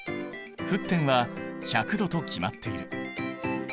沸点は１００℃と決まっている。